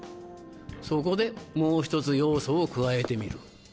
そこでもう１つ要素を加えてみる。